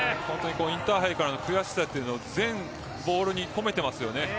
本当にインターハイからの悔しさを全ボールに込めていますよね。